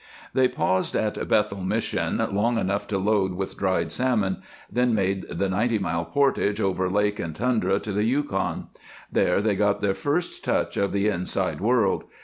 They paused at Bethel Mission long enough to load with dried salmon, then made the ninety mile portage over lake and tundra to the Yukon. There they got their first touch of the "inside" world.